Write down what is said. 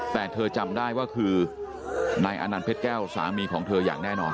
แต่เธอจำได้ว่าคือนายอนันต์เพชรแก้วสามีของเธออย่างแน่นอน